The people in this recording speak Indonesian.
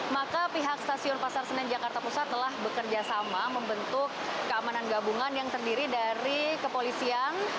maka pihak stasiun pasar senen jakarta pusat telah bekerja sama membentuk keamanan gabungan yang terdiri dari kepolisian